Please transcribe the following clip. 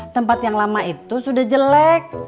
tempat yang lama itu sudah jelek